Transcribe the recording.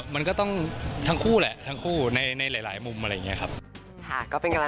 มันก็ต้องทั้งคู่แหละทั้งคู่ในหลายมุมอะไรอย่างนี้ครับ